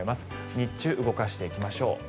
日中、動かしていきましょう。